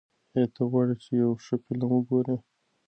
ایا ته غواړې چې یو ښه فلم وګورې؟